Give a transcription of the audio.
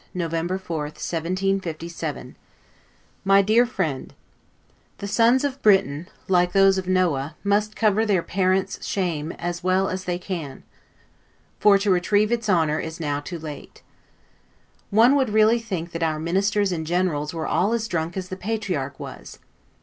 LETTER CCXII BATH, November 4, 1757 MY DEAR FRIEND: The Sons of Britain, like those of Noah, must cover their parent's shame as well as they can; for to retrieve its honor is now too late. One would really think that our ministers and generals were all as drunk as the Patriarch was.